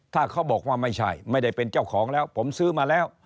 ถ้าเขาบอกว่าไม่ใช่ไม่ได้เป็นเจ้าของแล้วผมซื้อมาแล้ว